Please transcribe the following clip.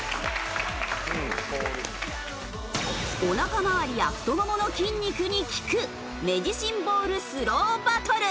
お腹周りや太ももの筋肉に効くメディシンボールスローバトル！